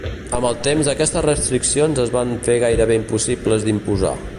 Amb el temps aquestes restriccions es van fer gairebé impossibles d'imposar.